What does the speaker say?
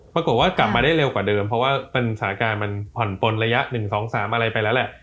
ปรากฏว่ากลับมาได้เร็วกว่าเดิมเพราะว่าสถานการณ์มันผ่อนปนระยะ๑๒๓อะไรไปแล้วแหละ